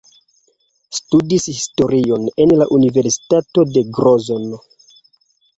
Studis historion en la Universitato de Grozno.